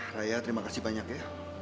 raya terima kasih banyak ya